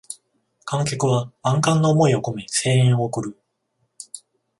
観客は万感の思いをこめ声援を送る